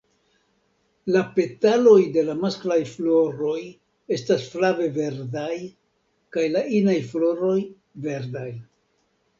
La petaloj de la masklaj floroj estas flave verdaj kaj la inaj floroj verdaj.